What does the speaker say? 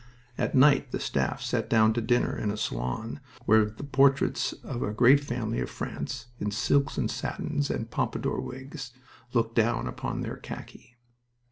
At night the staff sat down to dinner in a salon where the portraits of a great family of France, in silks and satins and Pompadour wigs, looked down upon their khaki.